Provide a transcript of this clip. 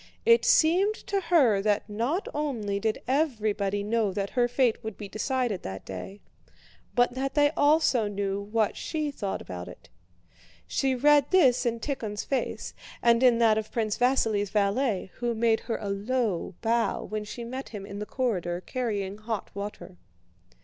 It seemed to her that not only did everybody know that her fate would be decided that day, but that they also knew what she thought about it. She read this in Tíkhon's face and in that of Prince Vasíli's valet, who made her a low bow when she met him in the corridor carrying hot water.